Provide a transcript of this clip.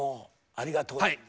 ありがとうございます。